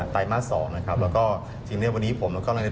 ใต้มาส๒แล้วก็จริงวันนี้ผมและก้อนักเรียน